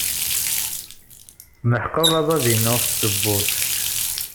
Meḥqeɣ aḍad-inu s tewwurt.